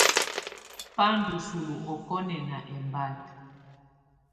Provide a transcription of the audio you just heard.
Bá ndù sulu ɔkɔnɛnana ɛmbata.